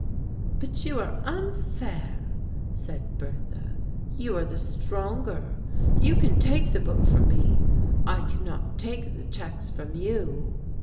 "But you are unfair," said Bertha, "you are the stronger. You can take the book from me. I cannot take the checks from you."